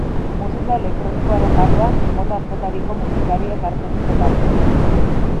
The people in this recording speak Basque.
Musika elektronikoaren barruan mota askotariko musikariek hartzen dute parte.